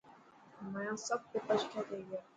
مانيا سڀ پيپر سٺا ٿي گيا.